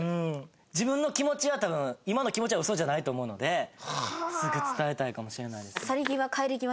自分の気持ちは今の気持ちはウソじゃないと思うのですぐ伝えたいかもしれないですね。